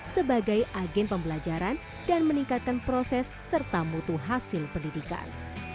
sebagai agen pembelajaran dan meningkatkan proses serta mutu hasil pendidikan